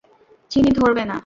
চিনি ধরবে না।